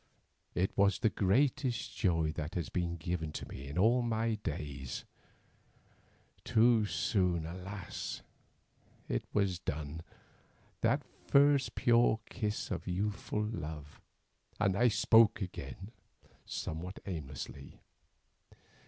It was the greatest joy that has been given to me in all my days. Too soon, alas! it was done, that first pure kiss of youthful love—and I spoke again somewhat aimlessly.